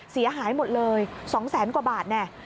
เสียหายหมดเลย๒แสนกว่าบาทแน่